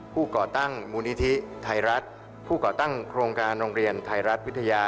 ก่อตั้งมูลนิธิไทยรัฐผู้ก่อตั้งโครงการโรงเรียนไทยรัฐวิทยา